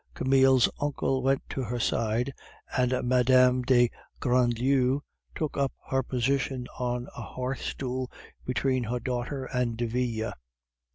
Camille's uncle went to her side, and Mme. de Grandlieu took up her position on a hearth stool between her daughter and Derville.